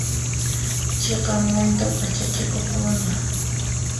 Chhiqaqmanta p'anachikuq runa.